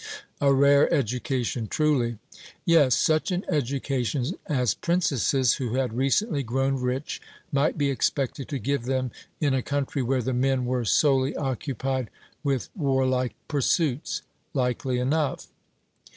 'A rare education, truly!' Yes, such an education as princesses who had recently grown rich might be expected to give them in a country where the men were solely occupied with warlike pursuits. 'Likely enough.'